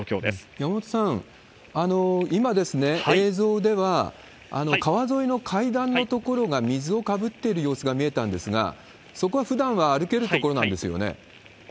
山本さん、今、映像では川沿いの階段の所が水をかぶっている様子が見えたんですが、そこはふだんは歩ける所なんですよね？